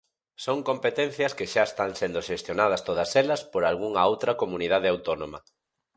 Son competencias que xa están sendo xestionadas todas elas por algunha outra comunidade autónoma.